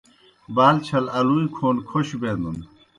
بال چھل آلُوئے کھون کھوش بینَن۔